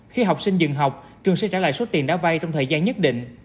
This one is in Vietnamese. khi học sinh dừng học trường sẽ trả lại số tiền đã vay trong thời gian nhất định